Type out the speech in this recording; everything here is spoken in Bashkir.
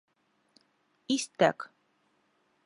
Истәк.